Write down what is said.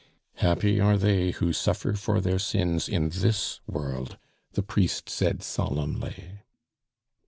"Happy are they who suffer for their sins in this world," the priest said solemnly.